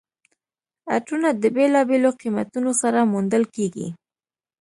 عطرونه د بېلابېلو قیمتونو سره موندل کیږي.